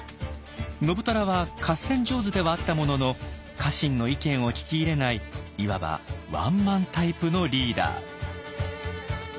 信虎は合戦上手ではあったものの家臣の意見を聞き入れないいわばワンマンタイプのリーダー。